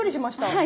はい。